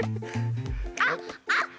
あっあっ！